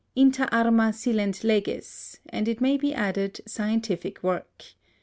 Inter arma silent leges, and it may be added, scientific work.